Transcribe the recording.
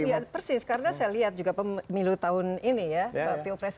iya persis karena saya lihat juga pemilu tahun ini ya